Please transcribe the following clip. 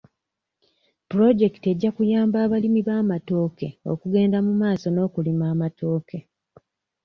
Pulojekiti ejja kuyamba abalimi b'amatooke okugenda mu maaso n'okulima amatooke.